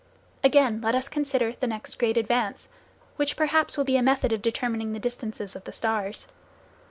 Again, let us consider the next great advance, which perhaps will be a method of determining the distances of the stars.